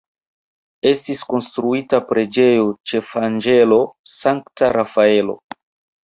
Estis konstruita preĝejo ĉefanĝelo Sankta Rafaelo.